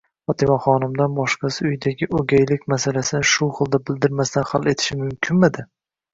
Fotimaxonimdan boshqasi uydagi o'gaylik masalasini shu xilda bildirmasdan hal etishi mumkinmidi?